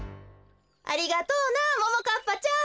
ありがとうなももかっぱちゃん！